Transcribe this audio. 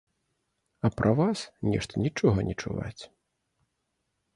А пра вас нешта нічога не чуваць.